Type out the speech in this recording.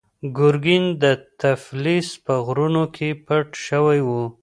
ګورګین د تفلیس په غرونو کې پټ شوی و.